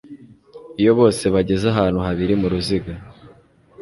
iyo bose bageze ahantu habiri muruziga